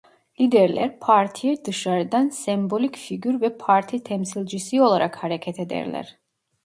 Liderler partiye dışarıdan "sembolik figür" ve parti temsilcisi olarak hareket ederler.